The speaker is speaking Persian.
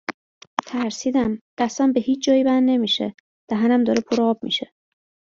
ترسیدم، دستم به هیچ جایی بند نمیشه، دهنم داره پر آب میشه